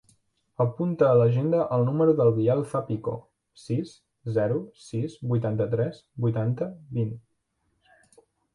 Apunta a l'agenda el número del Biel Zapico: sis, zero, sis, vuitanta-tres, vuitanta, vint.